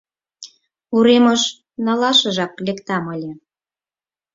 Уремыш налашыжак лектам ыле.